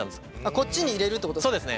こっちに入れるってことですか？